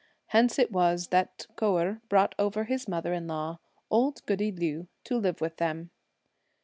(Hence it was that) Kou Erh brought over his mother in law, old goody Liu, to live with them.